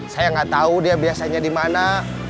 saya gak tau dia biasanya di mana